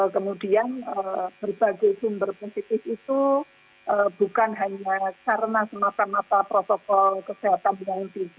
kemudian berbagai sumber positif itu bukan hanya karena semata mata protokol kesehatan yang tidak terlengkap dengan baik